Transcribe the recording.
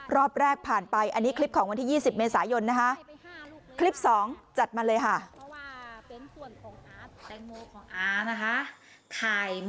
รอบแรกผ่านไปอันนี้คลิปของวันที่๒๐เมษายนนะคะ